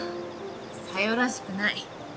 沙代らしくない。